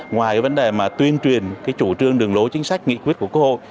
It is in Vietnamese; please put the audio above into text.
ngoài vấn đề tuyên truyền chủ trương đường lối chính sách nghị quyết của quốc hội